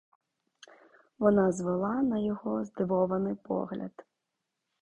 Вона звела на його здивований погляд.